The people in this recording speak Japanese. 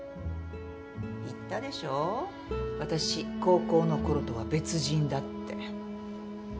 言ったでしょ私高校の頃とは別人だって。